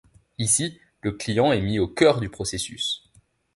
Ici, le client est mis au cœur du processus.